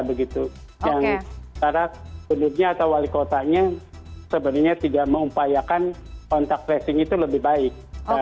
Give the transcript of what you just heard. karena penduduknya atau wali kotanya sebenarnya tidak mengupayakan kontak tracing itu lebih baik